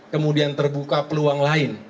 kemudian terbuka peluang lain